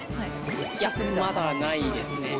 いや、まだないですね。